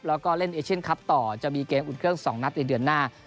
แล้วก็เล่นเอเชียนคลับต่อจะมีเกมอุ่นเครื่อง๒นัดในเดือนหน้า